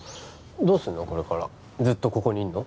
どうすんのこれからずっとここにいるの？